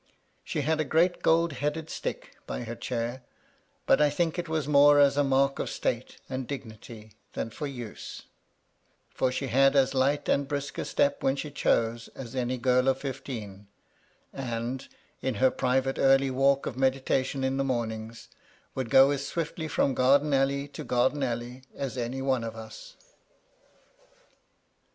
She had a great gold headed stick by her chair ; but I think it was more as a mark of state and dignity than for use ; for she had as light and brisk a step when she chose as any girl of fifteen, and, in her private early walk of meditation in the mornings, would go as swiftly from garden alley to garden alley as any one of us.